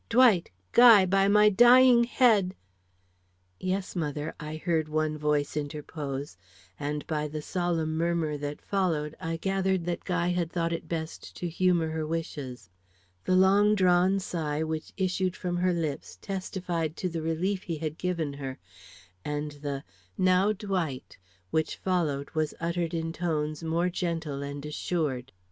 Dwight, Guy, by my dying head " "Yes, mother," I heard one voice interpose; and by the solemn murmur that followed, I gathered that Guy had thought it best to humor her wishes. The long drawn sigh which issued from her lips testified to the relief he had given her, and the "Now Dwight!" which followed was uttered in tones more gentle and assured.